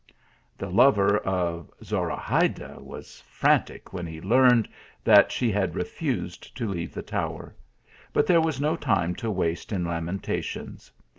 The lover of Zorahayda was frantic when he learned that she had refused to leave the tower; but there was no time to waste in lamentations.